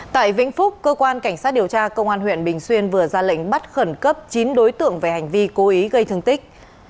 tại vĩnh phúc cơ quan cảnh sát điều tra công an huyện bình xuyên vừa ra lệnh bắt khẩn cấp chín đối tượng về hành vi cố ý gây thương tích